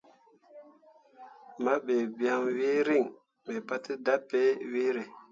Mahɓe biaŋ wee reŋ mi pate dapii weere.